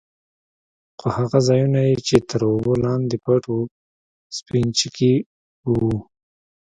خو هغه ځايونه يې چې تر اوبو لاندې پټ وو سپينچکي وو.